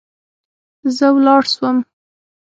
زه ولاړ سوم.